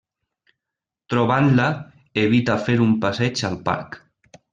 Trobant-la, evita fer un passeig al parc.